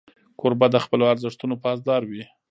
کوربه د خپلو ارزښتونو پاسدار وي.